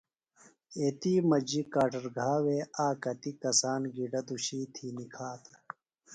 ایتی مجیۡ کاٹر گھا وے آک کتیۡ کسان گِڈہ دُشی تھی نِکھاتہ